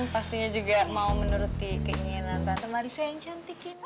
pastinya juga mau menuruti keinginan tante marisa yang cantik kita